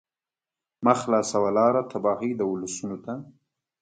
مه خلاصوه لاره تباهۍ د ولسونو ته